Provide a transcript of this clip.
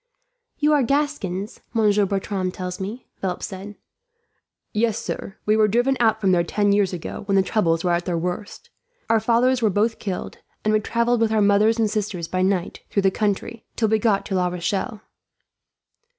"You are Gascons, Maitre Bertram tells me," Philip said. "Yes, sir. We were driven out from there ten years ago, when the troubles were at their worst. Our fathers were both killed, and we travelled with our mothers and sisters by night, through the country, till we got to La Rochelle."